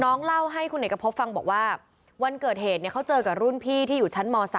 เล่าให้คุณเอกพบฟังบอกว่าวันเกิดเหตุเขาเจอกับรุ่นพี่ที่อยู่ชั้นม๓